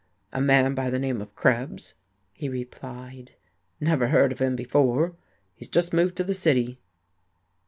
"A man by the name of Krebs," he replied. "Never heard of him before. He's just moved to the city."